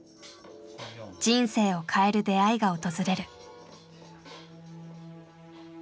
人生を変える出会いが訪れる。